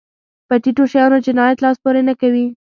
په ټيټو شیانو جنایت لاس پورې نه کوي.